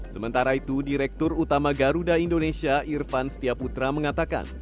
sementara itu direktur utama garuda indonesia irvan setiaputra mengatakan